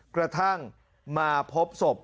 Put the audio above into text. กระทั่งมาพบศพ